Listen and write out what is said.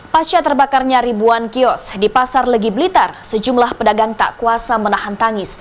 pasca terbakarnya ribuan kios di pasar legi blitar sejumlah pedagang tak kuasa menahan tangis